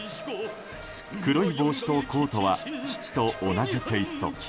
黒い帽子とコートは父と同じテイスト。